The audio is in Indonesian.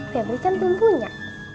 febri kan belum punya